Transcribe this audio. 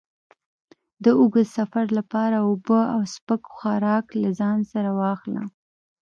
د اوږد سفر لپاره اوبه او سپک خوراک له ځان سره واخله.